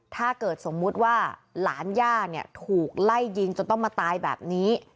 ถ้าเกิดสมมุติว่าหลานย่าเนี่ยถูกไล่ยิงจนต้องมาตายแบบนี้